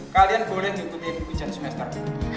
kalian boleh ditutupi ujian semester ini